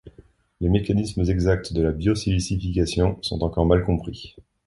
Les mécanismes exacts de la biosilicification sont encore mal compris.